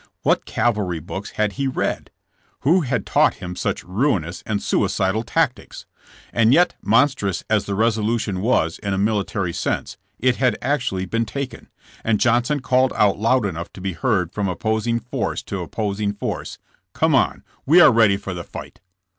What cavalry books had he read? Who had taught him such ruinous and suicidal tactics? And yet monstrous as the resolution was in a military sense, it had actually been taken, and Johnson called out loud enough to be heard from opposing force to opposing force :' Come on, we are ready for the fight.'